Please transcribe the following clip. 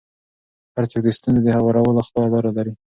هر څوک د ستونزو د هوارولو خپله لاره لري.